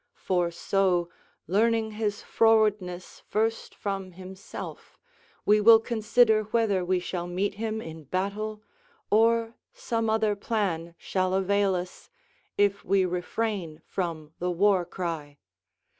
For so, learning his frowardness first from himself, we will consider whether we shall meet him in battle, or some other plan shall avail us, if we refrain from the war cry.